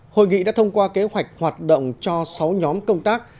hội nghị đã thông qua kế hoạch hoạt động cho sáu nhóm công tác